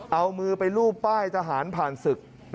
เอามือไปรูปป้ายทหารผ่านศึก